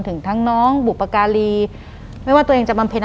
หลังจากนั้นเราไม่ได้คุยกันนะคะเดินเข้าบ้านอืม